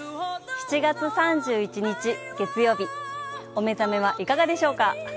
７月３１日月曜日、お目覚めはいかがでしょうか。